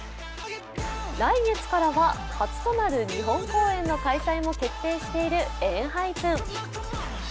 来月からは初となる日本公演の開催も決定しているＥＮＨＹＰＥＮ。